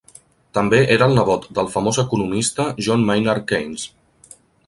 També era el nebot del famós economista John Maynard Keynes.